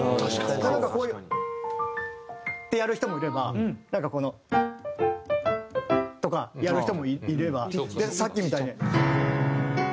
なんかこういう。ってやる人もいればなんかこの。とかやる人もいればさっきみたいに。